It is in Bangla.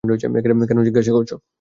কেন জিজ্ঞাস করছ?